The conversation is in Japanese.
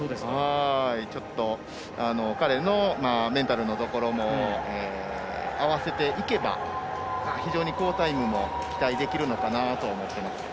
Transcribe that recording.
ちょっと彼のメンタルのところも合わせていけば非常に好タイムも期待できるのかなと思っています。